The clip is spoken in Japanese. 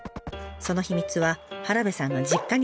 その秘密は原部さんの実家にありました。